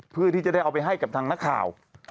เพื่อที่จะได้เอาไปให้กับทางนักข่าว